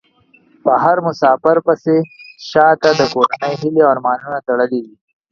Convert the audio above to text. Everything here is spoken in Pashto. په هر مسافر پسې شا ته د کورنۍ هيلې او ارمانونه تړلي دي .